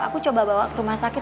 aku coba bawa ke rumah sakit